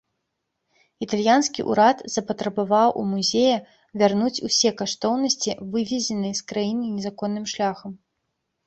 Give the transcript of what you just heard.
Італьянскі ўрад запатрабаваў у музея вярнуць усе каштоўнасці, вывезеныя з краіны незаконным шляхам.